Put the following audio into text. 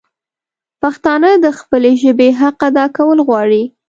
پښتانه د خپلي ژبي حق ادا کول غواړي